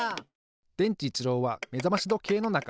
でんちいちろうはめざましどけいのなか。